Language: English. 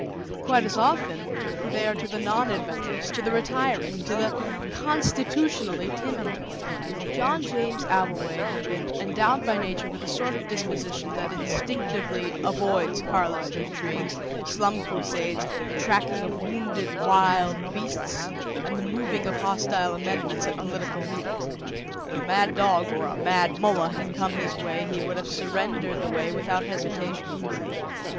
Quite as often they are to the non adventurous, to the retiring, to the constitutionally timid. John James Abbleway had been endowed by Nature with the sort of disposition that instinctively avoids Carlist intrigues, slum crusades, the tracking of wounded wild beasts, and the moving of hostile amendments at political meetings. If a mad dog or a Mad Mullah had come his way he would have surrendered the way without hesitation.